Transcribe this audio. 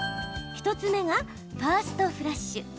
１つ目がファーストフラッシュ。